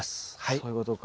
そういうことか。